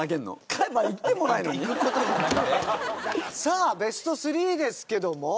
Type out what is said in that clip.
さあベスト３ですけども。